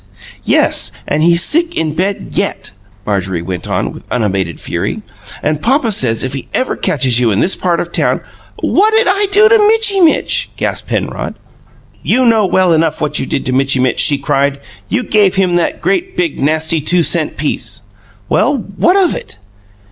"Yes, and he's sick in bed YET!" Marjorie went on, with unabated fury. "And papa says if he ever catches you in this part of town " "WHAT'D I do to Mitchy Mitch?" gasped Penrod. "You know well enough what you did to Mitchy Mitch!" she cried. "You gave him that great, big, nasty two cent piece!" "Well, what of it?"